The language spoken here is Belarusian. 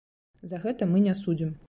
За гэта мы не судзім.